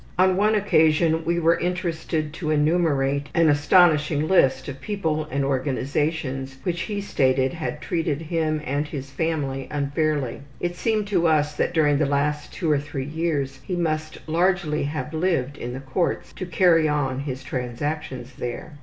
On one occasion we were interested to enumerate an astonishing list of people and organizations which, he stated, had treated him and his family unfairly. It seemed to us that during the last two or three years he must largely have lived in the courts to carry on his transactions there.